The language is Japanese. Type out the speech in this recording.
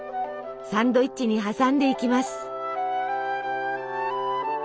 サンドイッチに挟んでいきます。